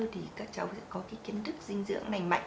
thì các cháu sẽ có cái kiến thức dinh dưỡng lành mạnh